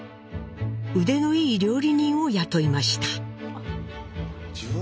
腕のいい料理人を雇いました。